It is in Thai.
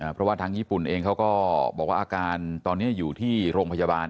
เพราะว่าทางญี่ปุ่นเองเขาก็บอกว่าอาการตอนนี้อยู่ที่โรงพยาบาล